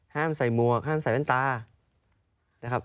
ห้ามใส่หมวกห้ามใส่แว่นตา